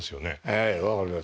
はい分かります。